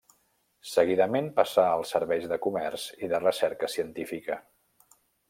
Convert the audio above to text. Seguidament passà als serveis de comerç i de recerca científica.